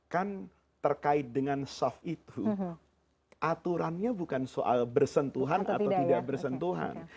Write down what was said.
kan terkait dengan soft itu aturannya bukan soal bersentuhan atau tidak bersentuhan